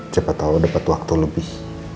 siapa tau dapet waktu lebih